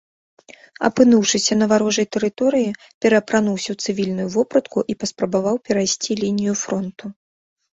Апынуўшыся на варожай тэрыторыі, пераапрануўся ў цывільную вопратку і паспрабаваў перайсці лінію фронту.